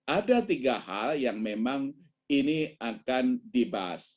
ada tiga hal yang memang ini akan dibahas